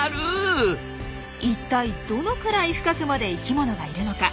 一体どのくらい深くまで生きものがいるのか。